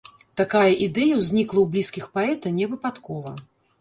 Такая ідэя ўзнікла ў блізкіх паэта не выпадкова.